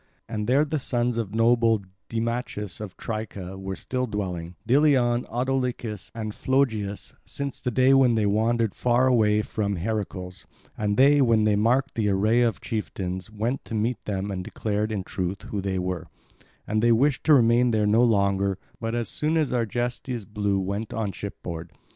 And there the sons of noble Deimachus of Tricca were still dwelling, Deileon, Autolycus and Phlogius, since the day when they wandered far away from Heracles; and they, when they marked the array of chieftains, went to meet them and declared in truth who they were; and they wished to remain there no longer, but as soon as Argestes blew went on ship board.